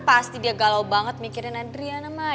pasti dia galau banget mikirin andriana mah